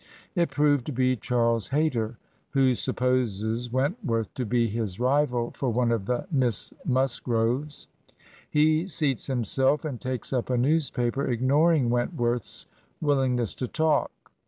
It proved to be Charles Hayter," who supposes Wentworth to be his rival for one of the Miss Musgroves. He seats himself, and takes up a newspaper, ignoring Wentworth's will ingness to talk.